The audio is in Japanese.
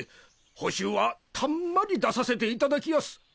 報酬はたんまり出させていただきやす。